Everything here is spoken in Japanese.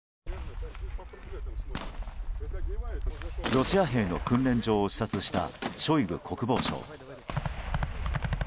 ロシア兵の訓練場を視察したショイグ国防相。